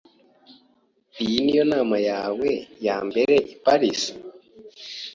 Iyi niyo nama yawe yambere i Paris?